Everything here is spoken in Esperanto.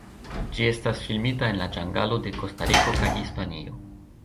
Ĝi estis filmita en la ĝangalo de Kostariko kaj Hispanio.